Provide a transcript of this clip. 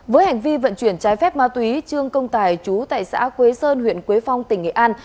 với hành vi vận chuyển trái phép ma túy trương công tài chú tại xã quế sơn huyện quế phong tỉnh nghệ an